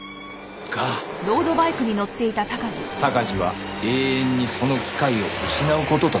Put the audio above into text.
鷹児は永遠にその機会を失う事となった。